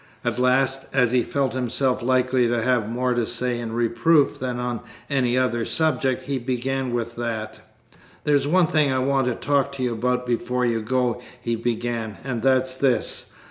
At last, as he felt himself likely to have more to say in reproof than on any other subject, he began with that. "There's one thing I want to talk to you about before you go," he began, "and that's this.